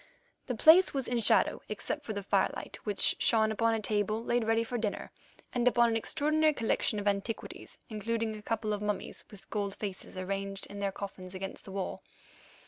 The place was in shadow, except for the firelight, which shone upon a table laid ready for dinner, and upon an extraordinary collection of antiquities, including a couple of mummies with gold faces arranged in their coffins against the wall.